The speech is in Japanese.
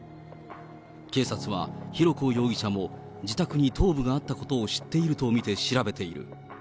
警察は浩子容疑者も自宅に頭部があったことを知っていると見て調べている。